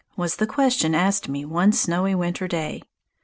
was the question asked me one snowy winter day.